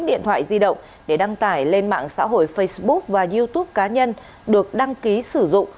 điện thoại di động để đăng tải lên mạng xã hội facebook và youtube cá nhân được đăng ký sử dụng